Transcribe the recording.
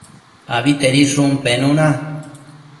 Abitedishun penuna